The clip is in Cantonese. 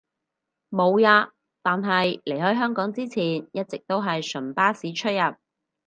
無呀，但係離開香港之前一直都係純巴士出入